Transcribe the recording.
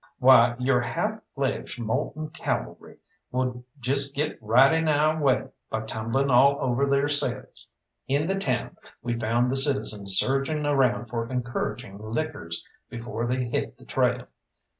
Why, your half fledged, moulting cavalry would just get right in our way by tumbling all over theirselves." In the town we found the citizens surging around for encouraging liquors before they hit the trail.